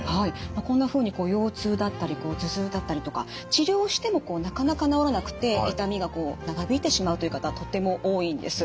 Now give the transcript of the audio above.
まあこんなふうに腰痛だったり頭痛だったりとか治療してもなかなか治らなくて痛みがこう長引いてしまうという方とても多いんです。